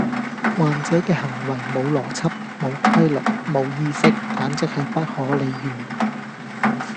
患者嘅行為無邏輯、無規律、無意識，簡直係不可理喻